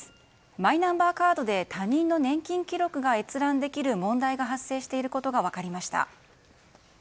マイナンバーカードで他人の年金記録が閲覧できる問題が発生していることが分かりました。